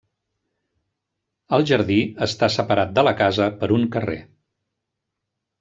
El jardí està separat de la casa per un carrer.